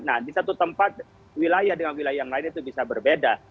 nah di satu tempat wilayah dengan wilayah yang lain itu bisa berbeda